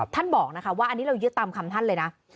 บอกนะคะว่าอันนี้เรายึดตามคำท่านเลยนะ